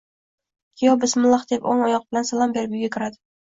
Kuyov “bismillah” deb o‘ng oyoq bilan, salom berib uyga kiradi.